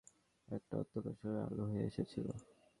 আমার জন্মটা সম্ভবত তাঁর জীবনে একটা অন্ধকার সময়ে আলো হয়ে এসেছিল।